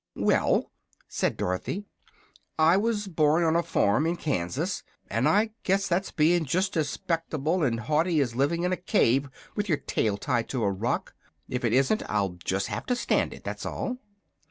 "Well," said Dorothy, "I was born on a farm in Kansas, and I guess that's being just as 'spectable and haughty as living in a cave with your tail tied to a rock. If it isn't I'll have to stand it, that's all."